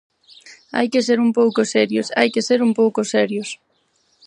¡Hai que ser un pouco serios, hai que ser un pouco serios!